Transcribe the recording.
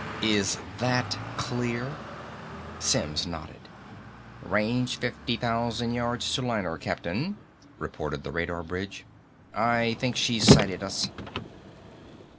Is that clear?" Simms nodded. "Range fifty thousand yards to liner, Captain!" reported the radar bridge. "I think she's sighted us!"